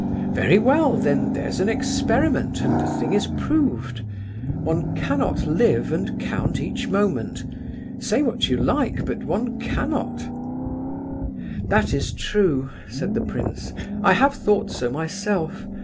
"Very well, then there's an experiment, and the thing is proved; one cannot live and count each moment; say what you like, but one cannot." "That is true," said the prince, "I have thought so myself.